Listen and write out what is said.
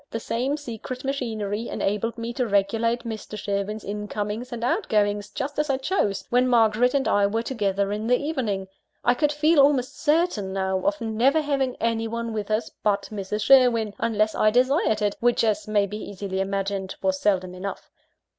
The same secret machinery enabled me to regulate Mr. Sherwin's incomings and outgoings, just as I chose, when Margaret and I were together in the evening. I could feel almost certain, now, of never having any one with us, but Mrs. Sherwin, unless I desired it which, as may be easily imagined, was seldom enough.